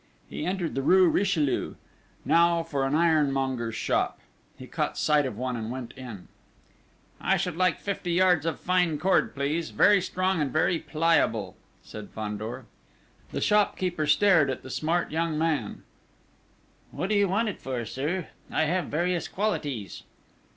He entered the rue Richelieu. Now for an ironmonger's shop! He caught sight of one and went in: "I should like fifty yards of fine cord, please; very strong and very pliable," said Fandor. The shopkeeper stared at the smart young man: "What do you want it for, sir?... I have various qualities."